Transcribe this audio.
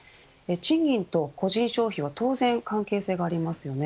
賃金と個人消費は当然関係性がありますよね。